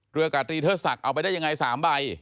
กาตรีเทิดศักดิ์เอาไปได้ยังไง๓ใบ